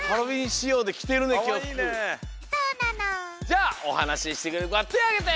じゃあおはなししてくれるこはてあげて！